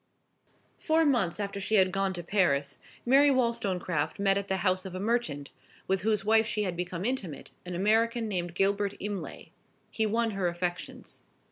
Four months after she had gone to Paris, Mary Wollstonecraft met at the house of a merchant, with whose wife she had become intimate, an American named Gilbert Imlay. He won her affections.